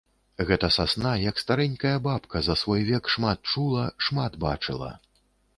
Гэта сасна, як старэнькая бабка, за свой век шмат чула, шмат бачыла.